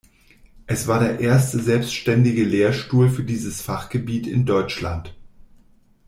Es war der erste selbständige Lehrstuhl für dieses Fachgebiet in Deutschland.